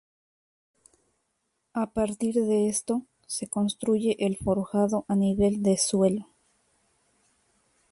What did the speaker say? A partir de esto, se construye el forjado a nivel de suelo.